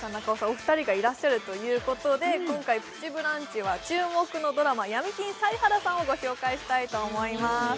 お二人がいらっしゃるということで今回「プチブランチ」は注目のドラマ「闇金サイハラさん」をご紹介したいと思います